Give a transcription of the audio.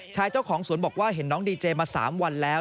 เจ้าของสวนบอกว่าเห็นน้องดีเจมา๓วันแล้ว